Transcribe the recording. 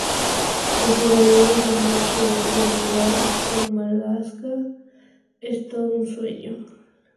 El jugador afirmó que, "renovar con el Málaga es todo un sueño.